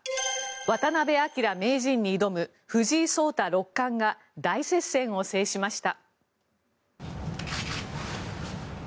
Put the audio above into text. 渡辺明名人に挑む藤井聡太六冠が大接戦を制しました。